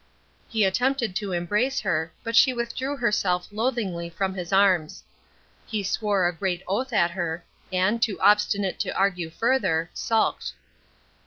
He attempted to embrace her, but she withdrew herself loathingly from his arms. He swore a great oath at her, and, too obstinate to argue farther, sulked.